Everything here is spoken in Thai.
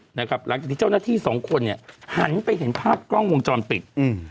หลังจากที่เจ้าหน้าที่สองคนเนี่ยหันไปเห็นภาพกล้องวงจรปิดอืม